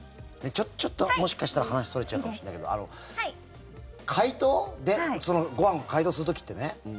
ちょっともしかしたら話がそれちゃうかもしれないけど解凍、ご飯解凍する時ってね